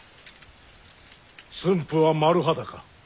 駿府は丸裸